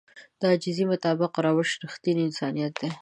د عاجزي مطابق روش رښتينی انسانيت دی.